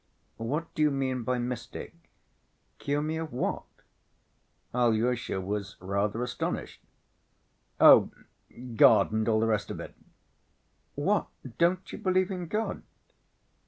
"What do you mean by mystic? Cure me of what?" Alyosha was rather astonished. "Oh, God and all the rest of it." "What, don't you believe in God?"